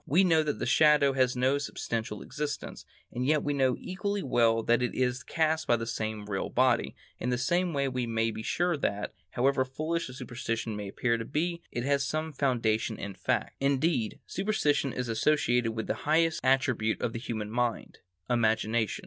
We know that the shadow has no substantial existence, and yet we know equally well that it is cast by some real body; in the same way we may be sure that, however foolish a superstition may appear to be, it has some foundation in fact. Indeed, superstition is associated with the highest attribute of the human mind,—imagination.